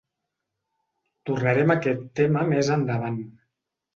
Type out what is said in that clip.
Tornarem a aquest tema més endavant.